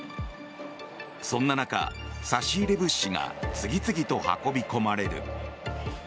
そんな中、差し入れ物資が次々と運び込まれる。